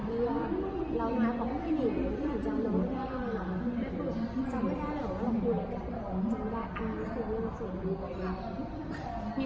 จำอันนี้คือพูดจริงว่าจำได้อันนี้พูดจริงว่าจำได้